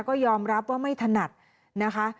ก็ยอมรับว่าไม่ถนัดนะคะ